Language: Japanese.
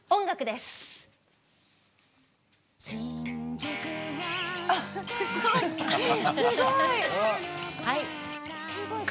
すごい。